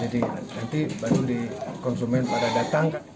jadi nanti baru dikonsumen pada datang